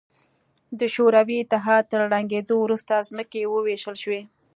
د شوروي اتحاد تر ړنګېدو وروسته ځمکې ووېشل شوې.